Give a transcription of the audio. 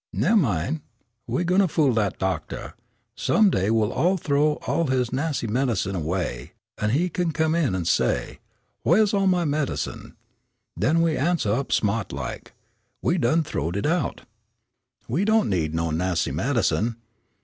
"Nemmine, we gwine fool dat doctah. Some day we'll th'ow all his nassy medicine 'way, an' he come in an' say: 'Whaih's all my medicine?' Den we answeh up sma't like: 'We done th'owed it out. We don' need no nassy medicine.'